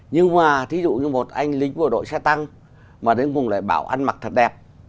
nhưng mà thí dụ như một anh lính của bộ đội xe tăng mà đến vùng lại bảo ăn mặc thật đẹp